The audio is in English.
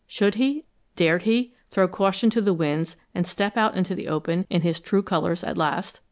Should he, dared he, throw caution to the winds and step out into the open, in his true colors at last?